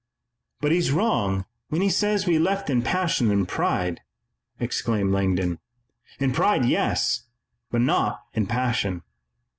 "But he's wrong when he says we left in passion and pride," exclaimed Langdon. "In pride, yes, but not in passion.